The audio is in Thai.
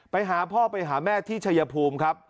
ไปหาพ่อไปหาแม่ที่ชายภูมิครับ